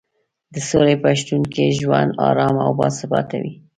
د سولې په شتون کې ژوند ارام او باثباته وي.